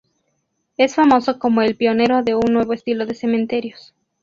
Es famoso como el pionero de un nuevo estilo de cementerios.